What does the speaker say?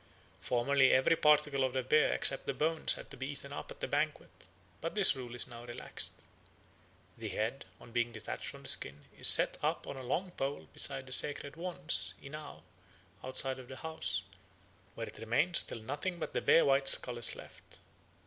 Formerly every particle of the bear, except the bones, had to be eaten up at the banquet, but this rule is now relaxed. The head, on being detached from the skin, is set up on a long pole beside the sacred wands (inao) outside of the house, where it remains till nothing but the bare white skull is left.